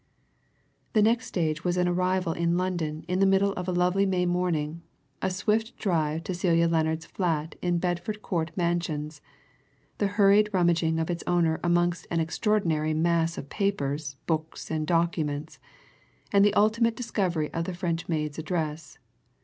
The next stage was an arrival in London in the middle of a lovely May morning, a swift drive to Celia Lennard's flat in Bedford Court Mansions, the hurried rummaging of its owner amongst an extraordinary mass of papers, books, and documents, and the ultimate discovery of the French maid's address.